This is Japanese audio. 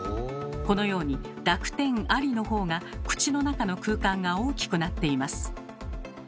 このように濁点ありの方が口の中の空間が大きくなっています。